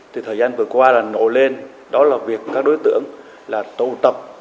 thì thời gian vừa qua là nổ lên đó là việc các đối tượng là tụ tập